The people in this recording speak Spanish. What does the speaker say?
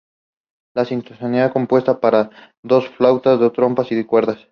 La sinfonía está compuesta para dos flautas, dos trompas, y cuerdas.